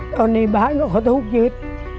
ตอนนี้บ้านก็เขาทุกข์หยุด